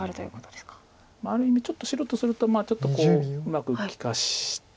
ある意味白とするとちょっとうまく利かして。